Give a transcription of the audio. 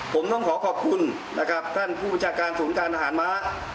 ผมต้องขอขอบคุณนะครับท่านผู้ประชาการศูนย์การอาหารม้า